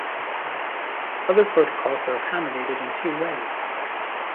Other protocols are accommodated in two ways.